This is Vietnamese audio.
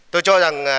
tôi cho rằng